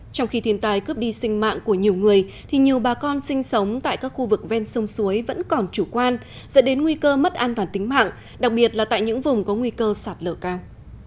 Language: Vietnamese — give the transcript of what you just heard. trong khi thiên tai cướp đi sinh mạng của nhiều người thì nhiều bà con sinh sống tại các khu vực ven sông suối vẫn còn chủ quan dẫn đến nguy cơ mất an toàn tính mạng đặc biệt là tại những vùng có nguy cơ sạt lở cao